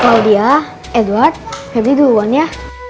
klaudia edward pebri duluan ya